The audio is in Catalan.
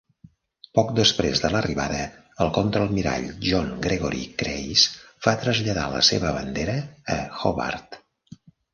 Poc després de l'arribada, el contraalmirall John Gregory Crace va traslladar la seva bandera a "Hobart".